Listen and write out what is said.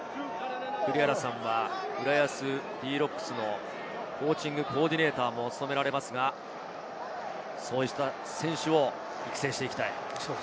栗原さんは浦安Ｄ−Ｒｏｃｋｓのコーチングコーディネーターも務められますが、そういった選手を育成していきたい。